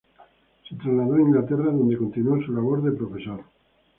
Se trasladó a Inglaterra, donde continuó con su labor de profesor.